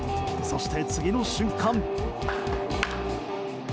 そして、次の瞬間。